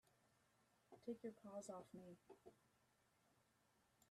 Take your paws off me!